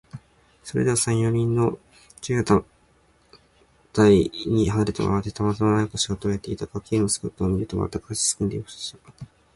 そこでは、三、四人の女中がたがいに離れたままで、たまたま何かの仕事をやっていたが、Ｋ の姿を見ると、まったく立ちすくんでしまった。